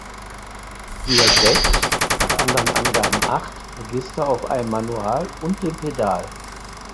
Sie hat sechs (nach anderen Angaben acht) Register auf einem Manual und dem Pedal.